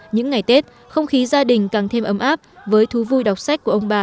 những ngày tết không khí gia đình càng thêm ấm áp với thú vui đọc sách của ông bà